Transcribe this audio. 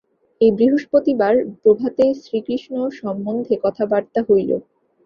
এই বৃহস্পতিবার প্রভাতে শ্রীকৃষ্ণ সম্বন্ধে কথাবার্তা হইল।